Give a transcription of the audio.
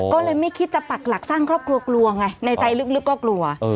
ก็เลยไม่คิดจะปักหลักสร้างครอบครัวกลัวไงในใจลึกก็กลัว